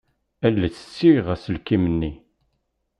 Ales ssiɣ aselkim-nni.